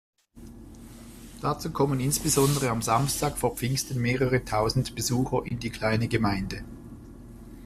Dazu kommen insbesondere am Samstag vor Pfingsten mehrere tausend Besucher in die kleine Gemeinde.